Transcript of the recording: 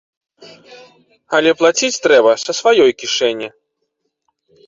Але плаціць трэба са сваёй кішэні.